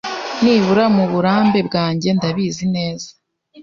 Nibura muburambe bwanjye ndabizi neza